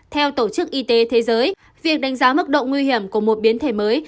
theo tổ chức y tế thế giới việc đánh giá mức độ nguy hiểm của một biến thể mới